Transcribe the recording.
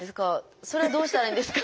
それはどうしたらいいんですか？